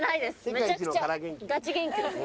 めちゃくちゃガチ元気です。